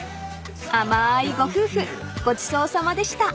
［甘いご夫婦ごちそうさまでした］